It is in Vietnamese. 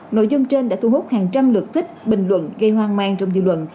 nội dung trên đã thu hút hàng trăm lượt tích bình luận gây hoang mang trong dư luận